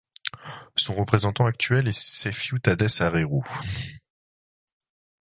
Son représentant actuel est Seyfu Tadesse Areru.